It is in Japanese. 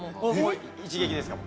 一撃ですか？